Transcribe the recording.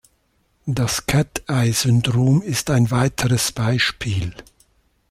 Das Cat-Eye-Syndrom ist ein weiteres Beispiel.